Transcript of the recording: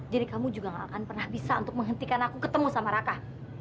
jadi kamu juga gak akan pernah bisa untuk menghentikan aku ketemu sama raka